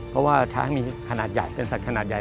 เพราะว่าช้างมีขนาดใหญ่เป็นสัตว์ขนาดใหญ่